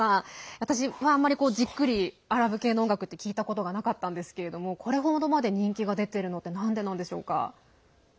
私、あんまりじっくりアラブ系の音楽って聴いたことなかったんですけどこれほどまで人気が出ているのなんでなんでしょうか。